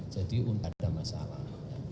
jadi tidak ada masalah